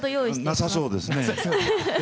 なさそうですね。